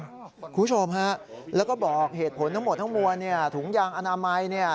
คุณผู้ชมฮะแล้วก็บอกเหตุผลทั้งหมดทั้งมวลเนี่ยถุงยางอนามัยเนี่ย